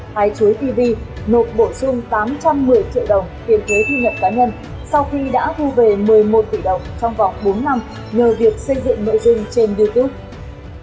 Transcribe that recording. hai chuối tv nộp bổ sung tám trăm một mươi triệu đồng tiền thuế thu nhập cá nhân sau khi đã thu về một mươi một tỷ đồng trong vòng bốn năm nhờ việc xây dựng nội dung trên youtube